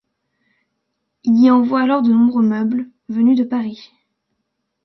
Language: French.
Il y envoie alors de nombreux meubles, venus de Paris.